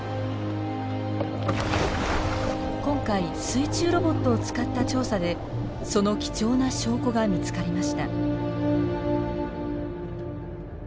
今回水中ロボットを使った調査でその貴重な証拠が見つかりました。